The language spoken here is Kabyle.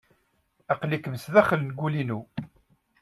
Aql-ikem sdaxel n wul-inu.